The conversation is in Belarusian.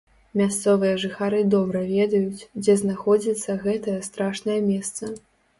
Мясцовыя жыхары добра ведаюць, дзе знаходзіцца гэтае страшнае месца.